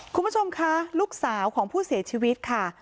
คุณผู้ชมคะลูกสาวของผู้เสียชีวิตค่ะ